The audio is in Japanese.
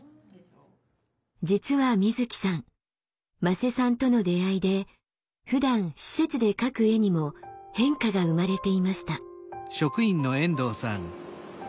実はみずきさん馬瀬さんとの出会いでふだん施設で描く絵にも変化が生まれていました。